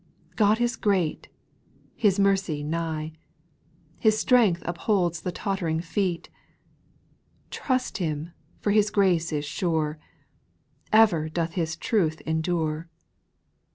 God is great ; His mercy nigh, His strength upholds the tottering feet. Trust Him, for His grace is sure, Ever doth His truth endure.